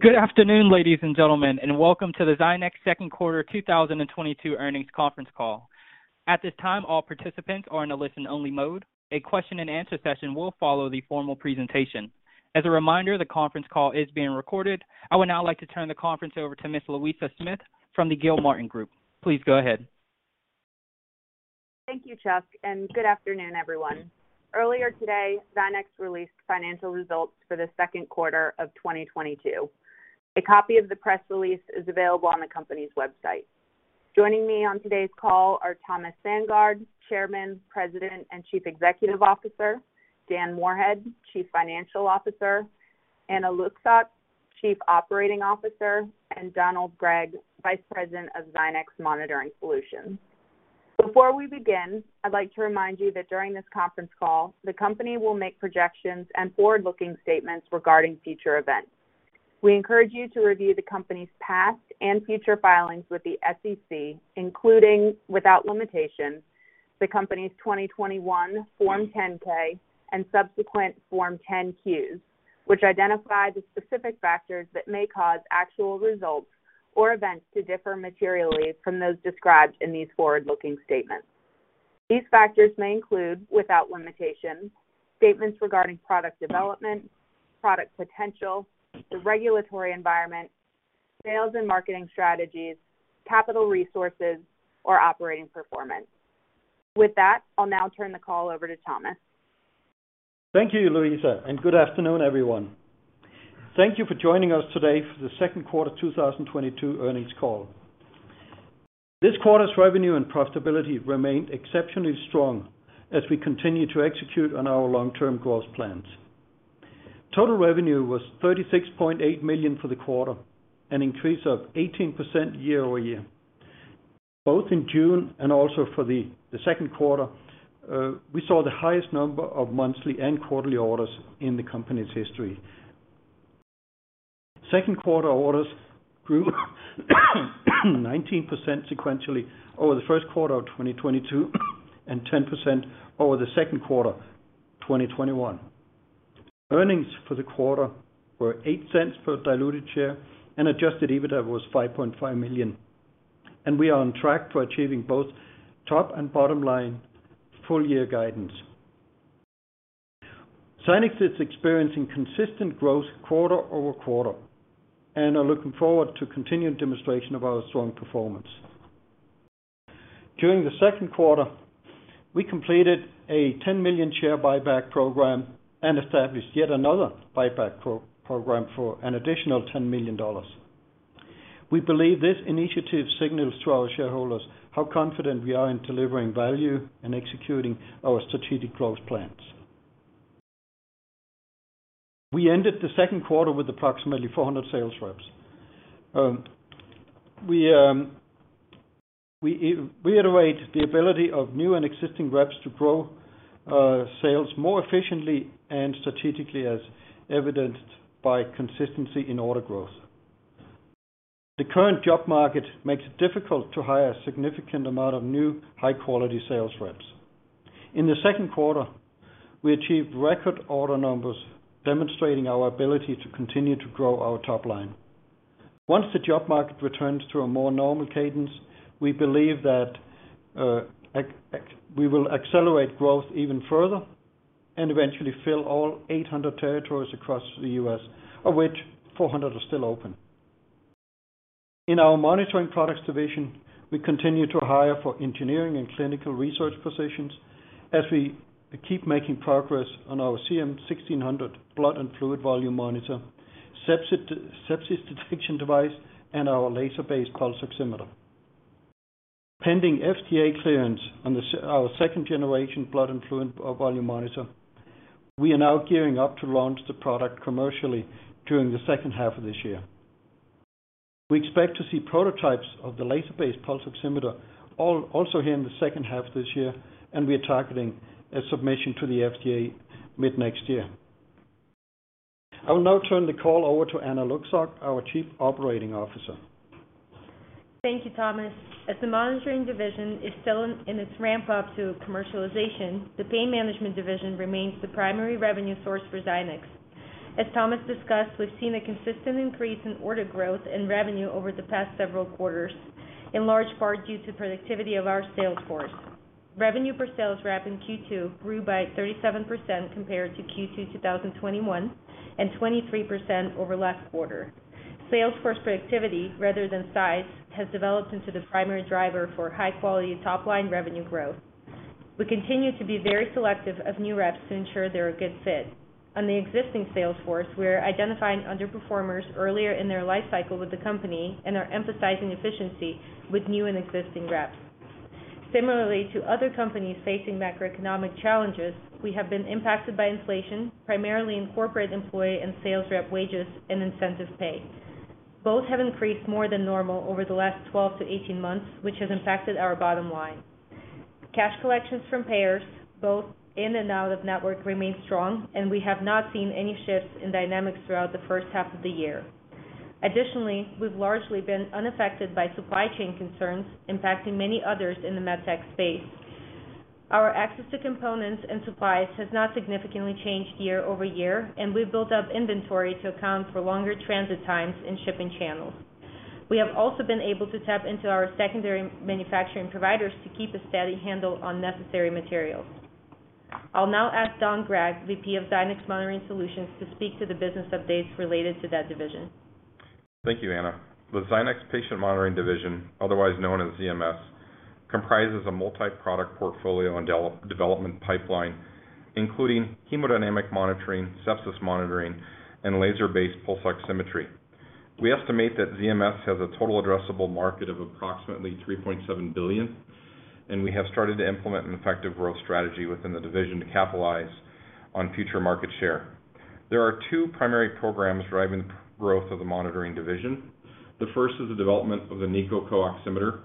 Good afternoon, ladies and gentlemen, and welcome to the Zynex second quarter 2022 earnings conference call. At this time, all participants are in a listen-only mode. A question and answer session will follow the formal presentation. As a reminder, the conference call is being recorded. I would now like to turn the conference over to Ms. Louisa Smith from the Gilmartin Group. Please go ahead. Thank you, Chuck, and good afternoon, everyone. Earlier today, Zynex released financial results for the second quarter of 2022. A copy of the press release is available on the company's website. Joining me on today's call are Thomas Sandgaard, Chairman, President, and Chief Executive Officer, Dan Moorhead, Chief Financial Officer, Anna Lucsok, Chief Operating Officer, and Donald Gregg, Vice President of Zynex Monitoring Solutions. Before we begin, I'd like to remind you that during this conference call, the company will make projections and forward-looking statements regarding future events. We encourage you to review the company's past and future filings with the SEC, including, without limitation, the company's 2021 Form 10-K and subsequent Form 10-Q, which identify the specific factors that may cause actual results or events to differ materially from those described in these forward-looking statements. These factors may include, without limitation, statements regarding product development, product potential, the regulatory environment, sales and marketing strategies, capital resources, or operating performance. With that, I'll now turn the call over to Thomas. Thank you, Louisa, and good afternoon, everyone. Thank you for joining us today for the second quarter 2022 earnings call. This quarter's revenue and profitability remained exceptionally strong as we continue to execute on our long-term growth plans. Total revenue was $36.8 million for the quarter, an increase of 18% year-over-year. Both in June and also for the second quarter, we saw the highest number of monthly and quarterly orders in the company's history. Second quarter orders grew 19% sequentially over the first quarter of 2022 and 10% over the second quarter 2021. Earnings for the quarter were $0.08 per diluted share, and adjusted EBITDA was $5.5 million. We are on track for achieving both top and bottom line full-year guidance. Zynex is experiencing consistent growth quarter over quarter and are looking forward to continued demonstration of our strong performance. During the second quarter, we completed a 10 million share buyback program and established yet another buyback program for an additional $10 million. We believe this initiative signals to our shareholders how confident we are in delivering value and executing our strategic growth plans. We ended the second quarter with approximately 400 sales reps. We illustrate the ability of new and existing reps to grow sales more efficiently and strategically, as evidenced by consistency in order growth. The current job market makes it difficult to hire a significant amount of new high-quality sales reps. In the second quarter, we achieved record order numbers, demonstrating our ability to continue to grow our top line. Once the job market returns to a more normal cadence, we believe that we will accelerate growth even further and eventually fill all 800 territories across the U.S., of which 400 are still open. In our Monitoring Products division, we continue to hire for engineering and clinical research positions as we keep making progress on our CM-1600 blood and fluid volume monitor, sepsis detection device, and our laser-based pulse oximeter. Pending FDA clearance on our second generation blood and fluid volume monitor, we are now gearing up to launch the product commercially during the second half of this year. We expect to see prototypes of the laser-based pulse oximeter also here in the second half of this year, and we are targeting a submission to the FDA mid-next year. I will now turn the call over to Anna Lucsok, our Chief Operating Officer. Thank you, Thomas. As the Monitoring Division is still in its ramp up to commercialization, the Pain Management Division remains the primary revenue source for Zynex. As Thomas discussed, we've seen a consistent increase in order growth and revenue over the past several quarters, in large part due to productivity of our sales force. Revenue per sales rep in Q2 grew by 37% compared to Q2 2021 and 23% over last quarter. Sales force productivity, rather than size, has developed into the primary driver for high quality top-line revenue growth. We continue to be very selective of new reps to ensure they're a good fit. On the existing sales force, we're identifying underperformers earlier in their lifecycle with the company and are emphasizing efficiency with new and existing reps. Similarly to other companies facing macroeconomic challenges, we have been impacted by inflation, primarily in corporate employee and sales rep wages and incentive pay. Both have increased more than normal over the last 12 to 18 months, which has impacted our bottom line. Cash collections from payers, both in and out of network, remain strong, and we have not seen any shifts in dynamics throughout the first half of the year. Additionally, we've largely been unaffected by supply chain concerns impacting many others in the MedTech space. Our access to components and supplies has not significantly changed year over year, and we've built up inventory to account for longer transit times in shipping channels. We have also been able to tap into our secondary manufacturing providers to keep a steady handle on necessary materials. I'll now ask Donald Gregg, VP of Zynex Monitoring Solutions, to speak to the business updates related to that division. Thank you, Anna. The Zynex Patient Monitoring Division, otherwise known as ZMS, comprises a multi-product portfolio and development pipeline, including hemodynamic monitoring, sepsis monitoring, and laser-based pulse oximetry. We estimate that ZMS has a total addressable market of approximately $3.7 billion, and we have started to implement an effective growth strategy within the division to capitalize on future market share. There are two primary programs driving growth of the monitoring division. The first is the development of the NiCO CO-Oximeter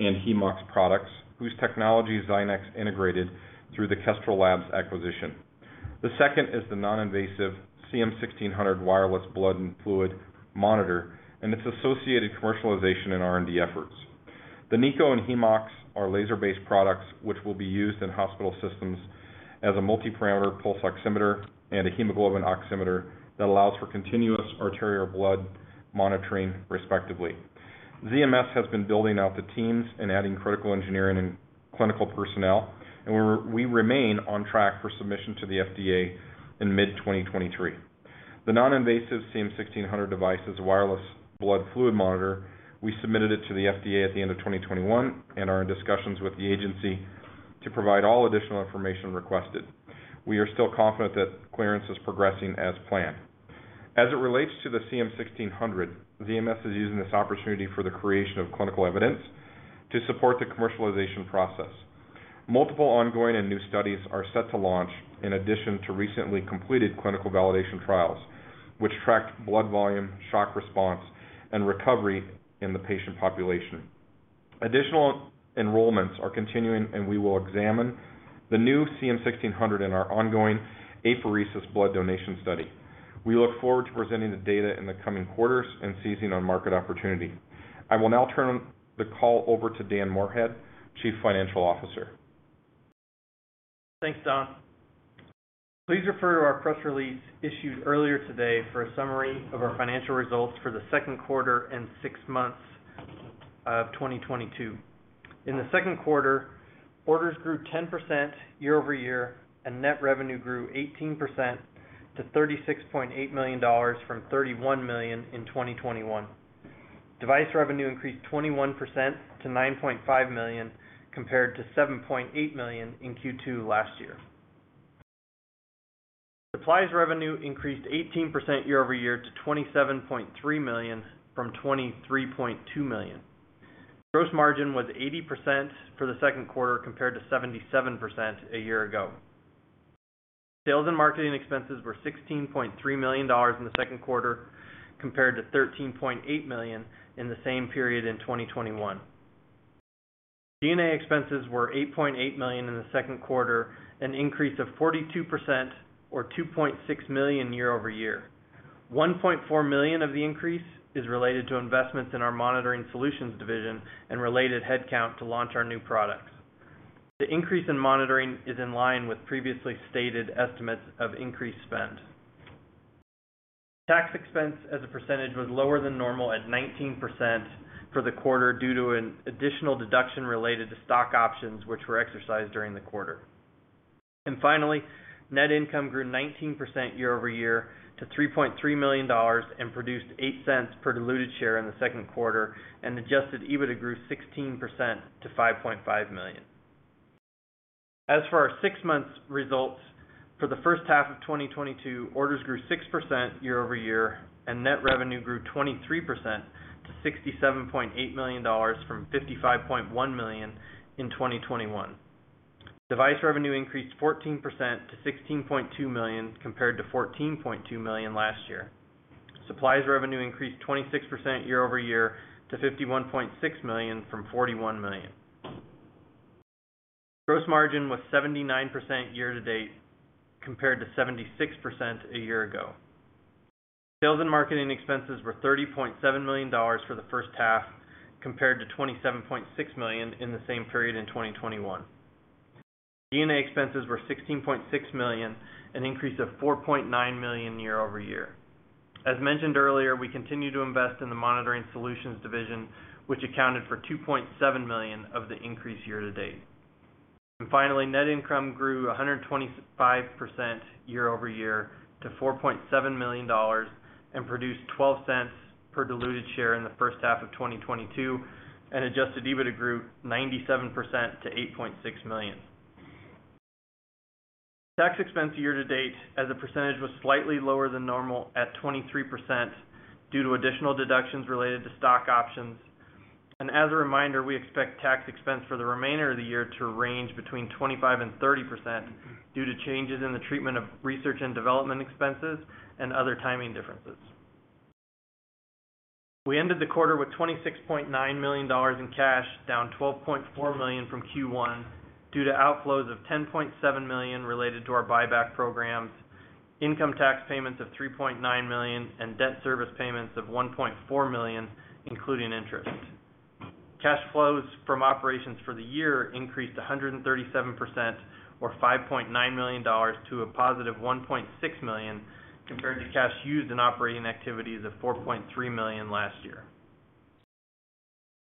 and HemeOx products, whose technology Zynex integrated through the Kestrel Labs acquisition. The second is the non-invasive CM1600 wireless blood and fluid monitor and its associated commercialization and R&D efforts. The NiCO and HemeOx are laser-based products which will be used in hospital systems as a multi-parameter pulse oximeter and a hemoglobin oximeter that allows for continuous arterial blood monitoring, respectively. ZMS has been building out the teams and adding critical engineering and clinical personnel, and we remain on track for submission to the FDA in mid-2023. The non-invasive CM1600 device is a wireless blood fluid monitor. We submitted it to the FDA at the end of 2021 and are in discussions with the agency to provide all additional information requested. We are still confident that clearance is progressing as planned. As it relates to the CM1600, ZMS is using this opportunity for the creation of clinical evidence to support the commercialization process. Multiple ongoing and new studies are set to launch in addition to recently completed clinical validation trials, which tracked blood volume, shock response, and recovery in the patient population. Additional enrollments are continuing, and we will examine the new CM1600 in our ongoing apheresis blood donation study. We look forward to presenting the data in the coming quarters and seizing on market opportunity. I will now turn the call over to Dan Moorhead, Chief Financial Officer. Thanks, Don. Please refer to our press release issued earlier today for a summary of our financial results for the second quarter and six months of 2022. In the second quarter, orders grew 10% year-over-year, and net revenue grew 18% to $36.8 million from $31 million in 2021. Device revenue increased 21% to $9.5 million, compared to $7.8 million in Q2 last year. Supplies revenue increased 18% year-over-year to $27.3 million from $23.2 million. Gross margin was 80% for the second quarter, compared to 77% a year ago. Sales and marketing expenses were $16.3 million in the second quarter, compared to $13.8 million in the same period in 2021. G&A expenses were $8.8 million in the second quarter, an increase of 42% or $2.6 million year-over-year. $1.4 million of the increase is related to investments in our Monitoring Solutions division and related headcount to launch our new products. The increase in monitoring is in line with previously stated estimates of increased spend. Tax expense as a percentage was lower than normal at 19% for the quarter due to an additional deduction related to stock options which were exercised during the quarter. Finally, net income grew 19% year-over-year to $3.3 million and produced $0.08 per diluted share in the second quarter, and adjusted EBITDA grew 16% to $5.5 million. As for our six-month results, for the first half of 2022, orders grew 6% year-over-year, and net revenue grew 23% to $67.8 million from $55.1 million in 2021. Device revenue increased 14% to $16.2 million, compared to $14.2 million last year. Supplies revenue increased 26% year-over-year to $51.6 million from $41 million. Gross margin was 79% year to date, compared to 76% a year ago. Sales and marketing expenses were $30.7 million for the first half, compared to $27.6 million in the same period in 2021. G&A expenses were $16.6 million, an increase of $4.9 million year-over-year. As mentioned earlier, we continue to invest in the Monitoring Solutions division, which accounted for $2.7 million of the increase year-to-date. Finally, net income grew 125% year-over-year to $4.7 million and produced $0.12 per diluted share in the first half of 2022, and adjusted EBITDA grew 97% to $8.6 million. Tax expense year-to-date as a percentage was slightly lower than normal at 23% due to additional deductions related to stock options. As a reminder, we expect tax expense for the remainder of the year to range between 25% and 30% due to changes in the treatment of research and development expenses and other timing differences. We ended the quarter with $26.9 million in cash, down $12.4 million from Q1 due to outflows of $10.7 million related to our buyback programs. Income tax payments of $3.9 million and debt service payments of $1.4 million, including interest. Cash flows from operations for the year increased 137% or $5.9 million to a positive $1.6 million, compared to cash used in operating activities of $4.3 million last year.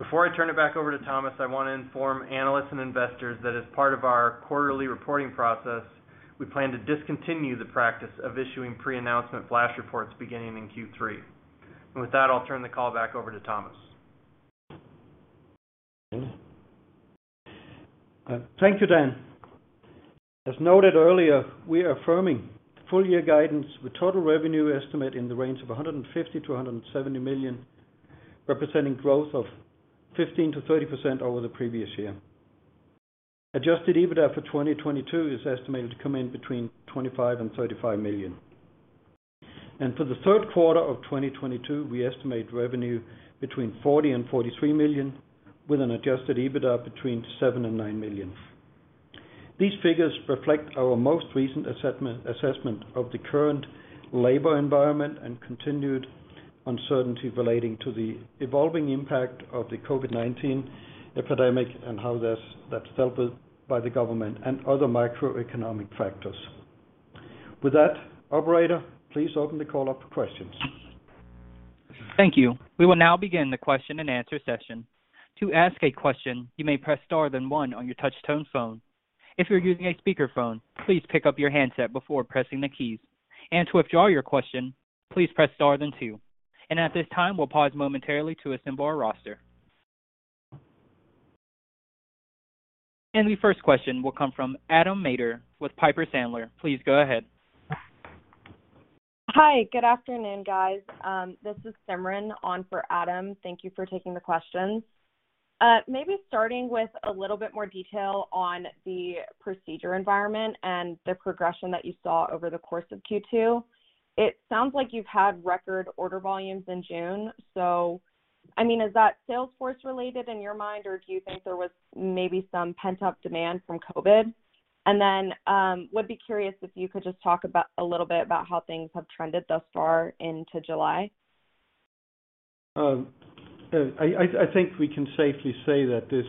Before I turn it back over to Thomas, I want to inform analysts and investors that as part of our quarterly reporting process, we plan to discontinue the practice of issuing pre-announcement flash reports beginning in Q3. With that, I'll turn the call back over to Thomas. Thank you, Dan. As noted earlier, we are affirming the full year guidance with total revenue estimate in the range of $150-$170 million, representing growth of 15%-30% over the previous year. Adjusted EBITDA for 2022 is estimated to come in between $25-$35 million. For the third quarter of 2022, we estimate revenue between $40-$43 million, with an adjusted EBITDA between $7-$9 million. These figures reflect our most recent assessment of the current labor environment and continued uncertainty relating to the evolving impact of the COVID-19 epidemic and how that's dealt with by the government and other macroeconomic factors. With that, operator, please open the call up for questions. Thank you. We will now begin the question-and-answer session. To ask a question, you may press * then 1 on your touch tone phone. If you're using a speaker phone, please pick up your handset before pressing the keys. To withdraw your question, please press * then 2. At this time, we'll pause momentarily to assemble our roster. The first question will come from Adam Maeder with Piper Sandler. Please go ahead. Hi, good afternoon, guys. This is Shagun Singh on for Adam Maeder. Thank you for taking the questions. Maybe starting with a little bit more detail on the procedure environment and the progression that you saw over the course of Q2. It sounds like you've had record order volumes in June. I mean, is that sales force related in your mind, or do you think there was maybe some pent-up demand from COVID? I would be curious if you could just talk about a little bit about how things have trended thus far into July. I think we can safely say that this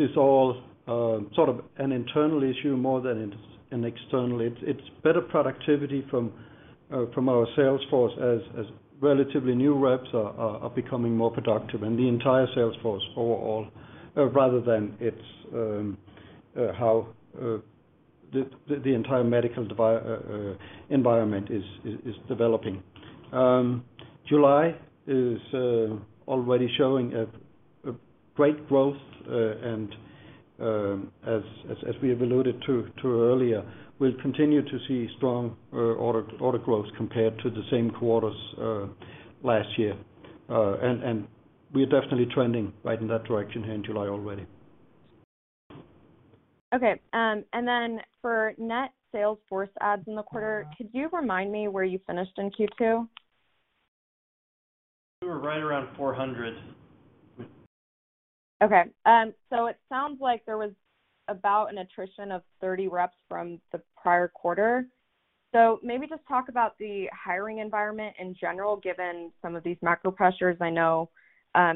is all sort of an internal issue more than an external. It's better productivity from our sales force as relatively new reps are becoming more productive and the entire sales force overall rather than how the entire medical environment is developing. July is already showing a great growth. As we have alluded to earlier, we'll continue to see strong order growth compared to the same quarters last year. We are definitely trending right in that direction here in July already. Okay. For net sales force adds in the quarter, could you remind me where you finished in Q2? We were right around 400. Okay. It sounds like there was about an attrition of 30 reps from the prior quarter. Maybe just talk about the hiring environment in general, given some of these macro pressures. I know,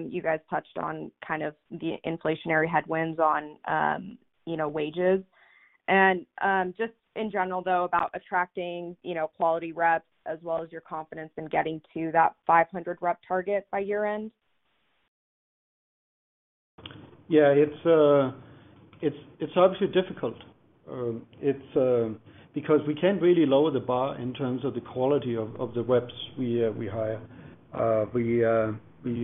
you guys touched on kind of the inflationary headwinds on, you know, wages. Just in general, though, about attracting, you know, quality reps as well as your confidence in getting to that 500 rep target by year-end. It's obviously difficult. It's because we can't really lower the bar in terms of the quality of the reps we hire. But you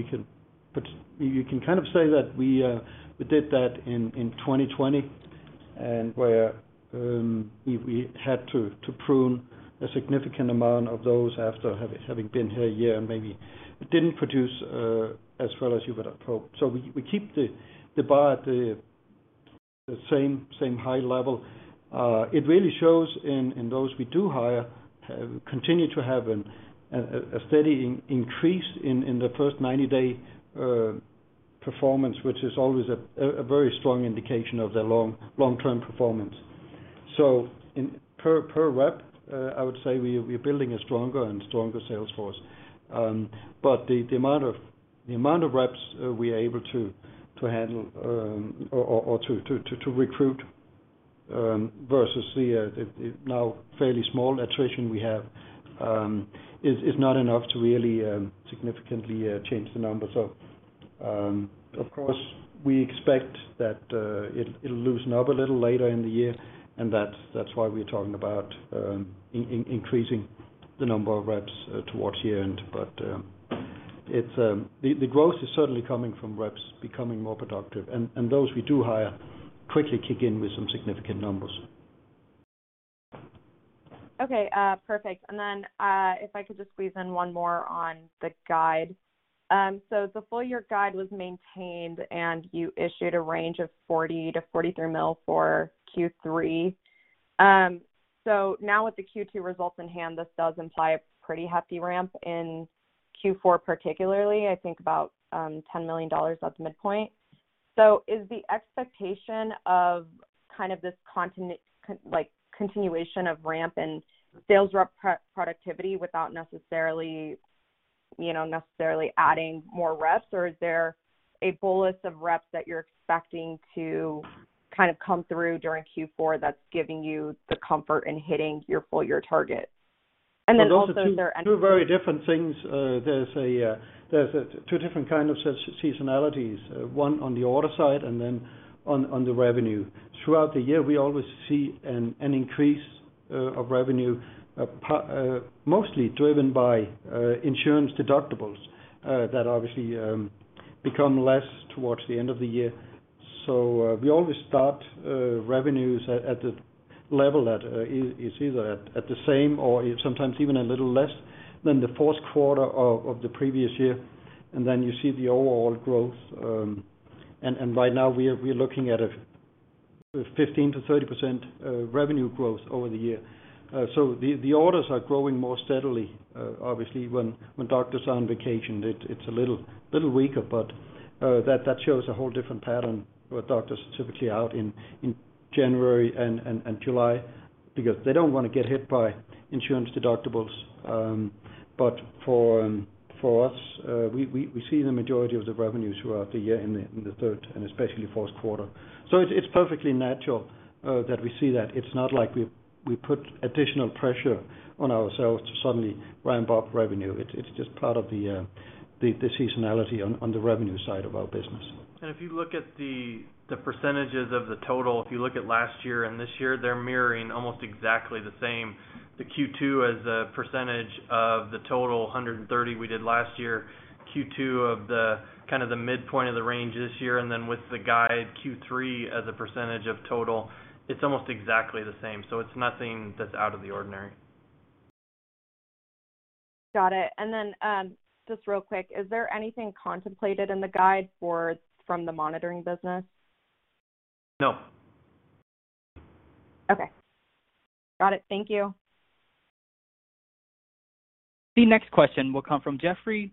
can kind of say that we did that in 2020 and where we had to prune a significant amount of those after having been here a year and maybe didn't produce as well as you would have hoped. We keep the bar at the same high level. It really shows in those we do hire continue to have a steady increase in the first 90-day performance, which is always a very strong indication of their long-term performance. Per rep, I would say we're building a stronger and stronger sales force. The amount of reps we are able to handle or to recruit versus the now fairly small attrition we have is not enough to really significantly change the numbers. Of course, we expect that it'll loosen up a little later in the year, and that's why we're talking about increasing the number of reps towards the end. It's the growth is certainly coming from reps becoming more productive, and those we do hire quickly kick in with some significant numbers. Okay, perfect. If I could just squeeze in one more on the guide. So the full year guide was maintained, and you issued a range of $40-$43 million for Q3. Now with the Q2 results in hand, this does imply a pretty hefty ramp in Q4, particularly, I think about $10 million at the midpoint. Is the expectation of kind of this like continuation of ramp and sales rep productivity without necessarily, you know, adding more reps or is there a bolus of reps that you're expecting to kind of come through during Q4 that's giving you the comfort in hitting your full year targets? Then also is there any? Those are two very different things. There's two different kind of seasonalities. One on the order side and then on the revenue. Throughout the year, we always see an increase of revenue, mostly driven by insurance deductibles that obviously become less towards the end of the year. We always start revenues at the level that is either at the same or sometimes even a little less than the fourth quarter of the previous year. Then you see the overall growth. Right now we're looking at a 15%-30% revenue growth over the year. The orders are growing more steadily. Obviously when doctors are on vacation, it's a little weaker, but that shows a whole different pattern with doctors typically out in January and July because they don't wanna get hit by insurance deductibles. For us, we see the majority of the revenues throughout the year in the third and especially fourth quarter. It's perfectly natural that we see that. It's not like we put additional pressure on ourselves to suddenly ramp up revenue. It's just part of the seasonality on the revenue side of our business. If you look at the percentages of the total, if you look at last year and this year, they're mirroring almost exactly the same. The Q2 as a percentage of the total 130 we did last year, Q2 of the kind of the midpoint of the range this year, and then with the guide Q3 as a percentage of total, it's almost exactly the same. It's nothing that's out of the ordinary. Got it. Just real quick, is there anything contemplated in the guide for the monitoring business? No. Okay. Got it. Thank you. The next question will come from Jeffrey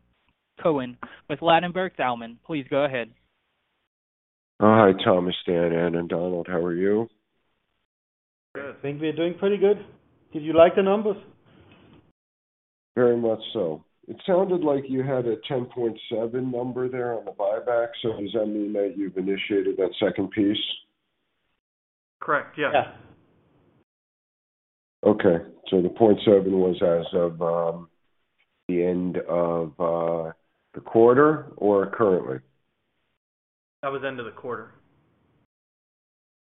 Cohen with Ladenburg Thalmann. Please go ahead. Hi, Thomas, Dan, Anna, and Donald. How are you? Good. I think we're doing pretty good. Did you like the numbers? Very much so. It sounded like you had a 10.7 number there on the buyback. Does that mean that you've initiated that second piece? Correct. Yes. Okay. The 0.7 was as of the end of the quarter or currently? That was end of the quarter.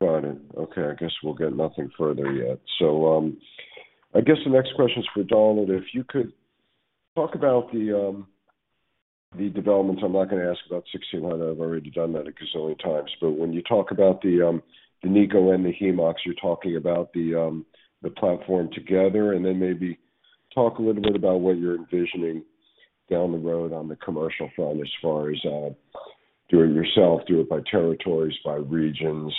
Got it. Okay. I guess we'll get nothing further yet. I guess the next question is for Donald. If you could talk about the development. I'm not gonna ask about CM-1600. I've already done that a gazillion times. When you talk about the NiCO and the HemeOx, you're talking about the platform together, and then maybe talk a little bit about what you're envisioning down the road on the commercial front as far as doing it yourself, do it by territories, by regions,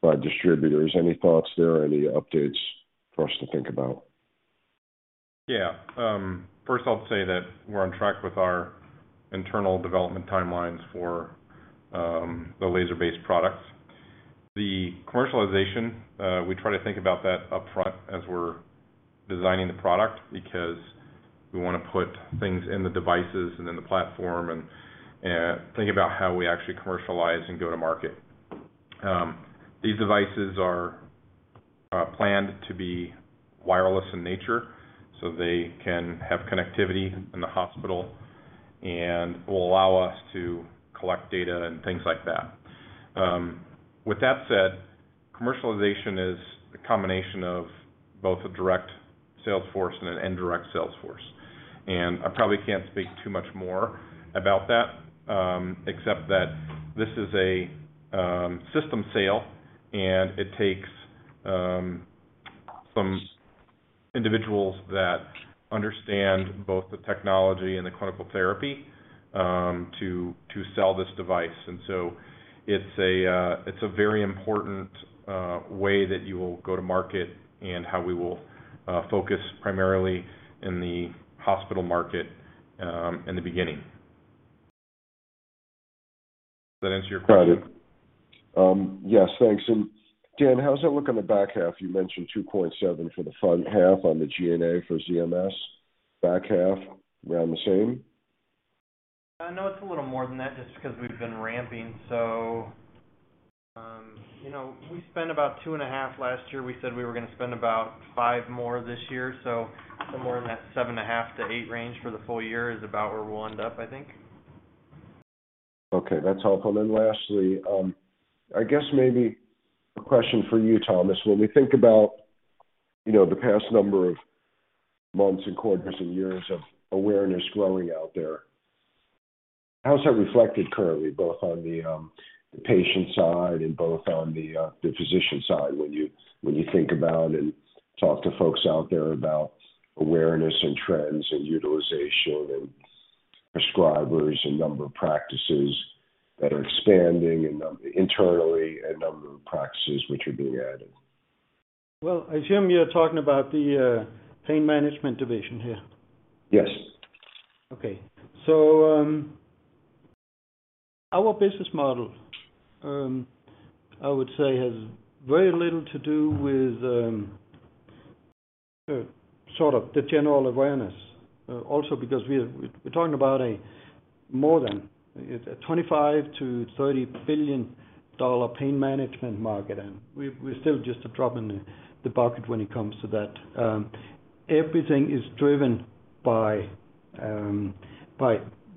by distributors. Any thoughts there? Any updates for us to think about? First, I'll say that we're on track with our internal development timelines for the laser-based products. The commercialization, we try to think about that upfront as we're designing the product because we wanna put things in the devices and in the platform and think about how we actually commercialize and go to market. These devices are planned to be wireless in nature, so they can have connectivity in the hospital and will allow us to collect data and things like that. With that said, commercialization is a combination of both a direct sales force and an indirect sales force. I probably can't speak too much more about that, except that this is a system sale, and it takes some individuals that understand both the technology and the clinical therapy to sell this device. It's a very important way that you will go to market and how we will focus primarily in the hospital market in the beginning. Does that answer your question? Got it. Yes, thanks. Dan, how does that look on the back half? You mentioned 2.7 for the front half on the G&A for ZMS. Back half, around the same? I know it's a little more than that just because we've been ramping. You know, we spent about $2.5 last year. We said we were gonna spend about $5 more this year. Somewhere in that $7.5-$8 range for the full year is about where we'll end up, I think. Okay, that's helpful. Lastly, I guess maybe a question for you, Thomas. When we think about, you know, the past number of months and quarters and years of awareness growing out there, how is that reflected currently, both on the patient side and both on the physician side when you think about and talk to folks out there about awareness and trends and utilization and prescribers and number of practices that are expanding internally and number of practices which are being added? Well, I assume you're talking about the Pain Management division here. Yes. Our business model, I would say has very little to do with sort of the general awareness. Also because we're talking about more than a $25-$30 billion pain management market, and we're still just a drop in the bucket when it comes to that. Everything is driven by the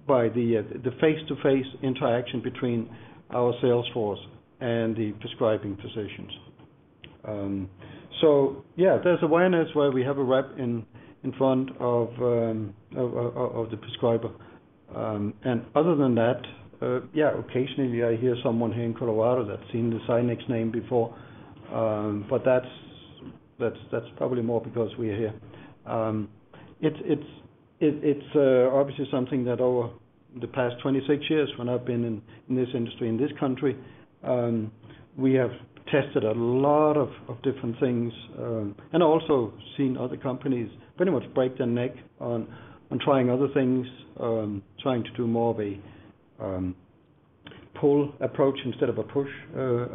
face-to-face interaction between our sales force and the prescribing physicians., there's awareness where we have a rep in front of the prescriber. Other than that, yeah, occasionally I hear someone here in Colorado that's seen the Zynex name before, but that's probably more because we're here. It's obviously something that over the past 26 years when I've been in this industry, in this country, we have tested a lot of different things and also seen other companies pretty much break their neck on trying other things, trying to do more of a pull approach instead of a push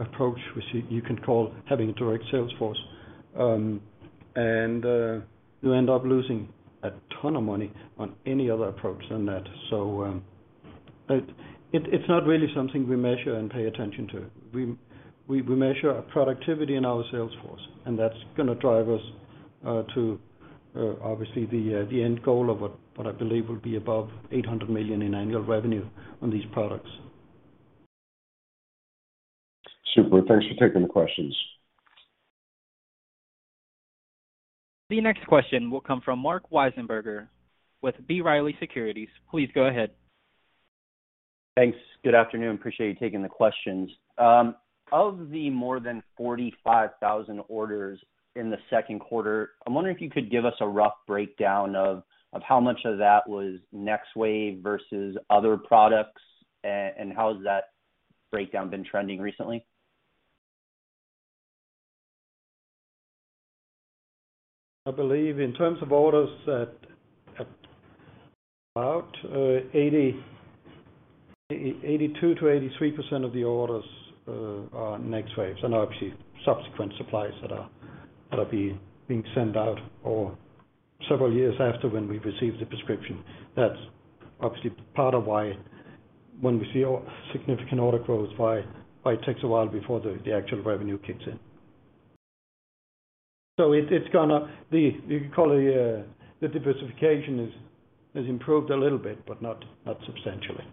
approach, which you can call having a direct sales force. You end up losing a ton of money on any other approach than that. It's not really something we measure and pay attention to. We measure our productivity in our sales force, and that's gonna drive us to obviously the end goal of what I believe will be above $800 million in annual revenue on these products. Super. Thanks for taking the questions. The next question will come from Mark Weisenberger with B. Riley Securities. Please go ahead. Thanks. Good afternoon. Appreciate you taking the questions. Of the more than 45,000 orders in the second quarter, I'm wondering if you could give us a rough breakdown of how much of that was NexWave versus other products, and how has that breakdown been trending recently? I believe in terms of orders that about 82%-83% of the orders are NexWaves and obviously subsequent supplies that are being sent out or several years after when we receive the prescription. That's obviously part of why when we see a significant order growth, why it takes a while before the actual revenue kicks in. It's gonna the you could call it a the diversification has improved a little bit, but not substantially.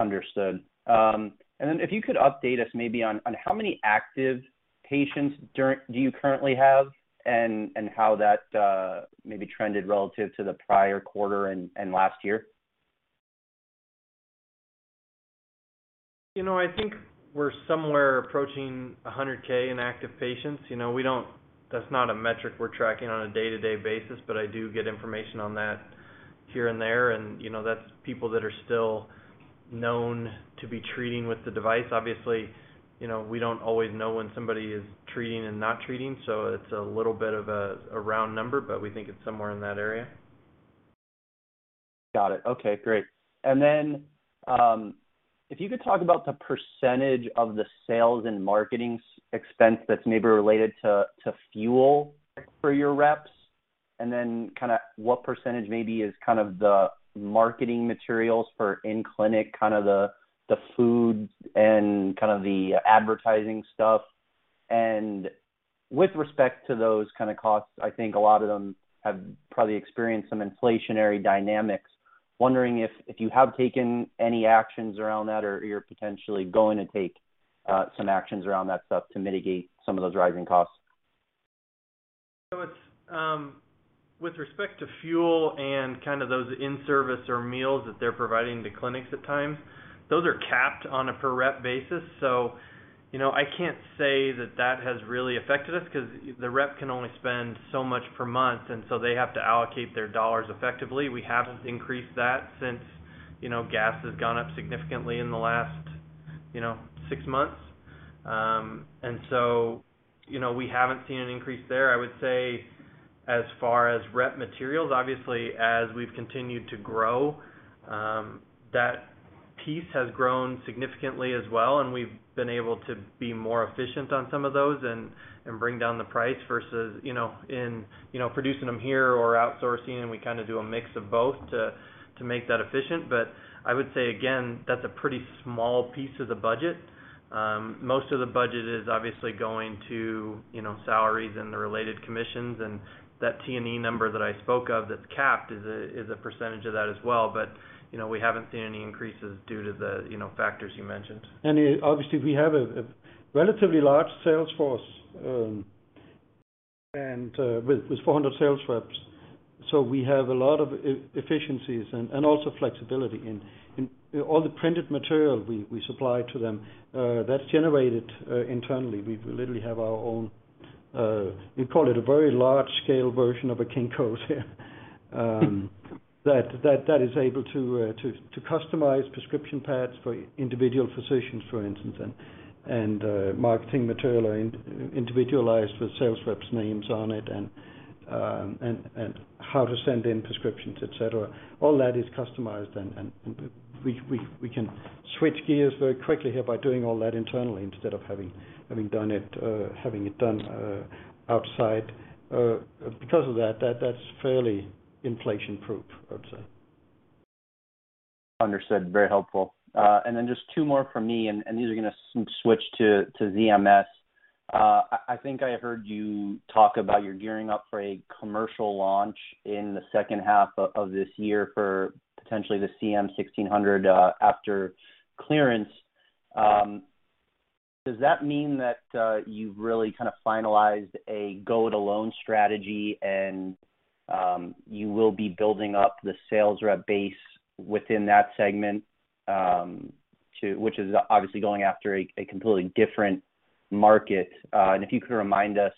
Understood. Then if you could update us maybe on how many active patients do you currently have and how that maybe trended relative to the prior quarter and last year? You know, I think we're somewhere approaching 100K in active patients. You know, that's not a metric we're tracking on a day-to-day basis, but I do get information on that here and there. You know, that's people that are still known to be treating with the device. Obviously, you know, we don't always know when somebody is treating and not treating, so it's a little bit of a round number, but we think it's somewhere in that area. Got it. Okay, great. Then, if you could talk about the percentage of the sales and marketing expense that's maybe related to fuel for your reps, and then what percentage maybe is kind of the marketing materials for in-clinic, kind of the food and kind of the advertising stuff. With respect to those kind of costs, I think a lot of them have probably experienced some inflationary dynamics. Wondering if you have taken any actions around that or you're potentially going to take some actions around that stuff to mitigate some of those rising costs. It's with respect to fuel and kind of those in-service or meals that they're providing to clinics at times, those are capped on a per rep basis. You know, I can't say that has really affected us 'cause the rep can only spend so much per month, and so they have to allocate their dollars effectively. We haven't increased that since, you know, gas has gone up significantly in the last, you know, six months. You know, we haven't seen an increase there. I would say as far as rep materials, obviously, as we've continued to grow, that piece has grown significantly as well, and we've been able to be more efficient on some of those and bring down the price versus, you know, in producing them here or outsourcing, and we kinda do a mix of both to make that efficient. But I would say again, that's a pretty small piece of the budget. Most of the budget is obviously going to, you know, salaries and the related commissions, and that T&E number that I spoke of that's capped is a percentage of that as well. But, you know, we haven't seen any increases due to the, you know, factors you mentioned. Obviously, we have a relatively large sales force, and with 400 sales reps, so we have a lot of efficiencies and also flexibility in all the printed material we supply to them, that's generated internally. We literally have our own, we call it a very large scale version of a Kinko's here. That is able to customize prescription pads for individual physicians, for instance, and marketing material or individualized with sales reps' names on it and how to send in prescriptions, et cetera. All that is customized and we can switch gears very quickly here by doing all that internally instead of having it done outside. Because of that's fairly inflation-proof, I would say. Understood. Very helpful. Just two more from me, and these are gonna switch to ZMS. I think I heard you talk about you're gearing up for a commercial launch in the second half of this year for potentially the CM1600, after clearance. Does that mean that you've really kind of finalized a go it alone strategy and you will be building up the sales rep base within that segment, which is obviously going after a completely different market. If you could remind us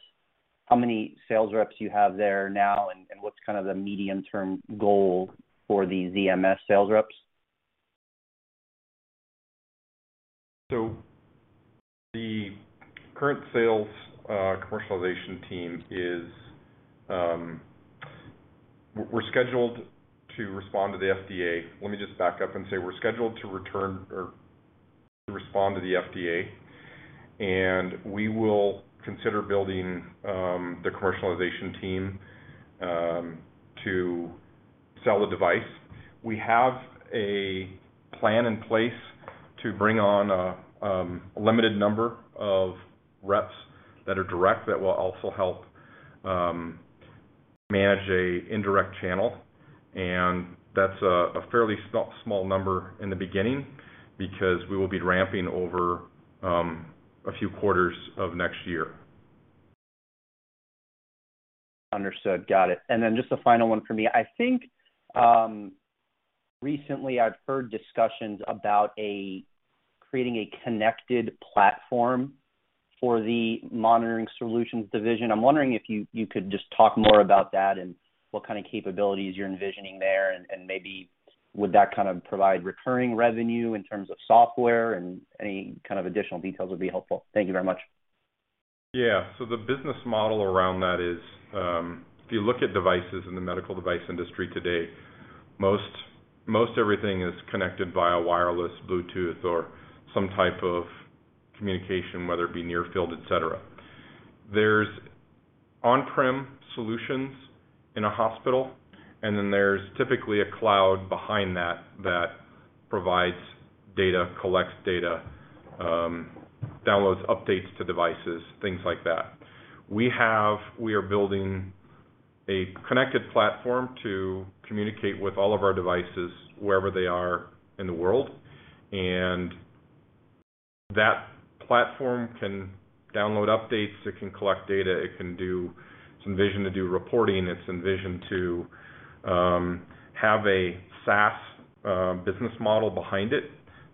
how many sales reps you have there now and what's kind of the medium-term goal for the ZMS sales reps? The current sales commercialization team is. We're scheduled to respond to the FDA. Let me just back up and say we're scheduled to return or to respond to the FDA, and we will consider building the commercialization team to sell the device. We have a plan in place to bring on a limited number of reps that are direct, that will also help manage an indirect channel, and that's a fairly small number in the beginning because we will be ramping over a few quarters of next year. Understood. Got it. Just a final one from me. I think, recently I've heard discussions about creating a connected platform for the monitoring solutions division. I'm wondering if you could just talk more about that and what kind of capabilities you're envisioning there, and maybe would that kind of provide recurring revenue in terms of software? Any kind of additional details would be helpful. Thank you very much. The business model around that is, if you look at devices in the medical device industry today, most everything is connected via wireless Bluetooth or some type of communication, whether it be near-field, et cetera. There are on-prem solutions in a hospital, and then there's typically a cloud behind that that provides data, collects data, downloads updates to devices, things like that. We are building a connected platform to communicate with all of our devices wherever they are in the world. That platform can download updates, it can collect data, it can do reporting. It's envisioned to do reporting. It's envisioned to have a SaaS business model behind it,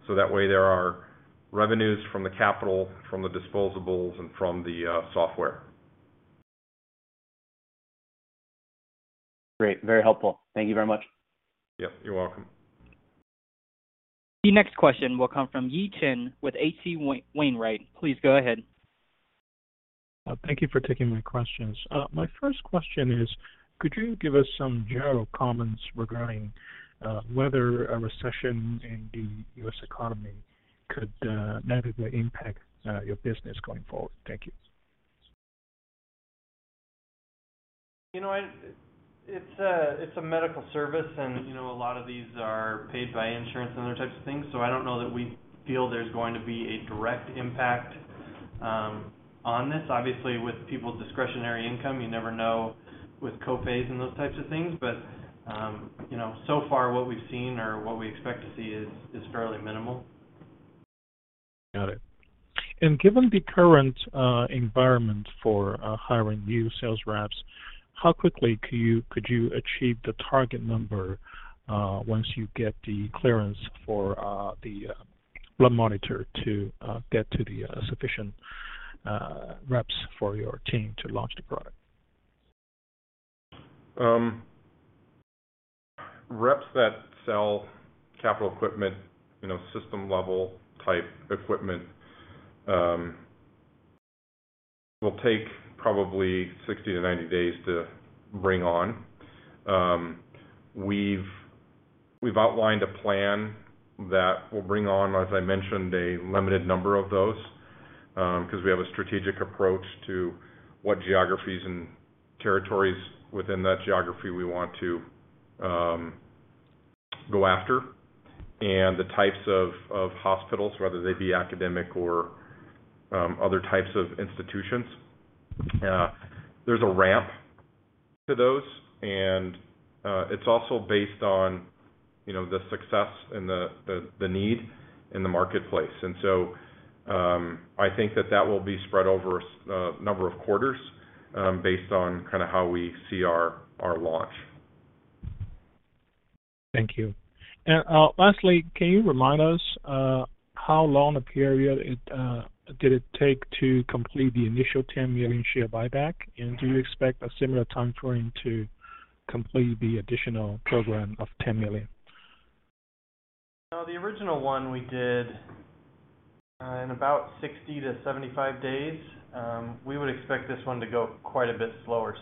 so that way there are revenues from the capital, from the disposables, and from the software. Great. Very helpful. Thank you very much. You're welcome. The next question will come from Yi Chen with H.C. Wainwright. Please go ahead. Thank you for taking my questions. My first question is, could you give us some general comments regarding whether a recession in the U.S. economy could negatively impact your business going forward? Thank you. You know what? It's a medical service and, you know, a lot of these are paid by insurance and other types of things, so I don't know that we feel there's going to be a direct impact on this. Obviously, with people's discretionary income, you never know with co-pays and those types of things. You know, so far, what we've seen or what we expect to see is fairly minimal. Got it. Given the current environment for hiring new sales reps, how quickly could you achieve the target number once you get the clearance for the blood monitor to get to the sufficient reps for your team to launch the product? Reps that sell capital equipment, you know, system-level type equipment, will take probably 60-90 days to bring on. We've outlined a plan that will bring on, as I mentioned, a limited number of those, 'cause we have a strategic approach to what geographies and territories within that geography we want to go after, and the types of hospitals, whether they be academic or other types of institutions. There's a ramp to those, and it's also based on, you know, the success and the need in the marketplace. I think that will be spread over a number of quarters, based on kinda how we see our launch. Thank you. Lastly, can you remind us how long a period did it take to complete the initial 10 million share buyback? Do you expect a similar time frame to complete the additional program of 10 million? No, the original one we did in about 60-75 days. We would expect this one to go quite a bit slower.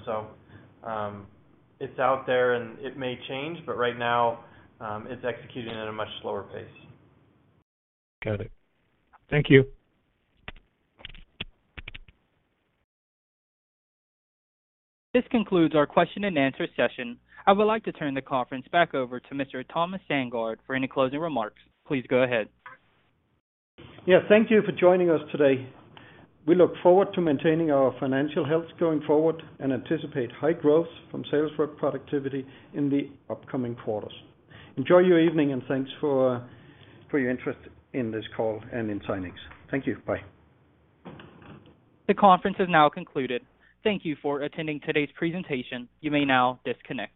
It's out there and it may change, but right now, it's executing at a much slower pace. Got it. Thank you. This concludes our question and answer session. I would like to turn the conference back over to Mr. Thomas Sandgaard for any closing remarks. Please go ahead. Thank you for joining us today. We look forward to maintaining our financial health going forward and anticipate high growth from sales rep productivity in the upcoming quarters. Enjoy your evening and thanks for your interest in this call and in Zynex. Thank you. Bye. The conference has now concluded. Thank you for attending today's presentation. You may now disconnect.